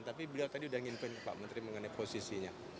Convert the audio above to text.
tapi beliau tadi udah nginkan pak menteri mengenai posisinya